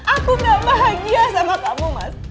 aku gak bahagia sama kamu mas